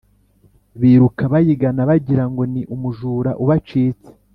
biruka bayigana bagira ngo ni umujura ubacitse